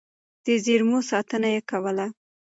د زېرمو ساتنه يې کوله.